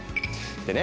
でね